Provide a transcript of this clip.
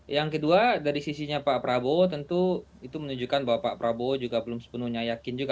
yang kedua dari sisinya pak prabowo tentu itu menunjukkan bahwa pak prabowo juga belum sepenuhnya yakin juga